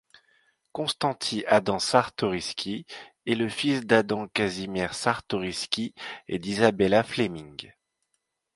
Konstanty Adam Czartoryski est le fils d'Adam Kazimierz Czartoryski et d'Izabela Flemming.